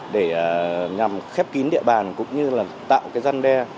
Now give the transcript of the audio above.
để nhằm khép kín địa bàn cũng như là tạo cái răn đe